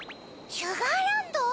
シュガーランド？